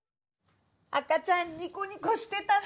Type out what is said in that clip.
赤ちゃんニコニコしてたね！